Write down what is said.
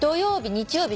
日曜日